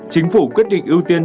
chính phủ quyết định ưu tiên